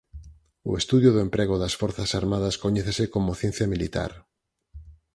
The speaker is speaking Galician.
O estudio do emprego das forzas armadas coñécese como ciencia militar.